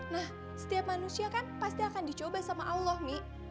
nah setiap manusia kan pasti akan dicoba sama allah mi